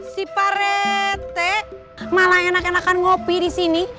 si parete malah enakan enakan ngopi disini